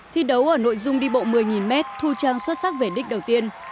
thi đấu ở nội dung đi bộ một mươi m thu trang xuất sắc về đích đầu tiên